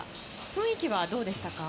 雰囲気はどうでしたか。